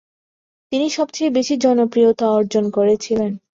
তিনি সবচেয়ে বেশি জনপ্রিয়তা অর্জন করেছিলেন।